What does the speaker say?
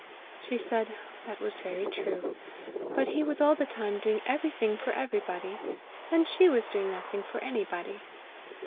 She said that was very true; but he was all the time doing everything for everybody, and she was doing nothing for anybody.